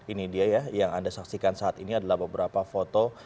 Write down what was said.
ini dia ya yang anda saksikan saat ini adalah beberapa foto